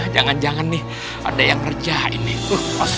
jangan jangan nih ada yang ngerjain nih